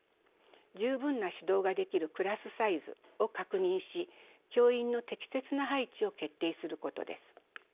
十分な指導ができるクラスサイズを確認し教員の適切な配置を決定することです。